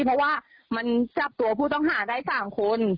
เพราะว่ามันจับตัวผู้ต้องหาได้๓คน